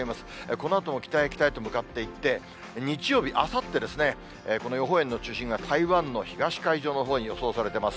このあとも北へ北へと向かっていって、日曜日、あさってですね、この予報円の中心が台湾の東海上のほうに予想されてます。